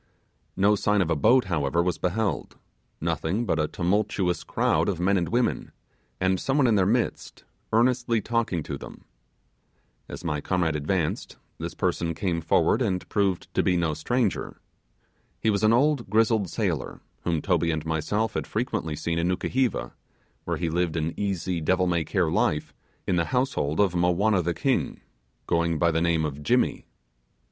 No sign of a boat, however, was beheld, nothing but a tumultuous crowd of men and women, and some one in their midst, earnestly talking to them. As my comrade advanced, this person came forward and proved to be no stranger. He was an old grizzled sailor, whom Toby and myself had frequently seen in Nukuheva, where he lived an easy devil may care life in the household of Mowanna the king, going by the name of 'Jimmy'.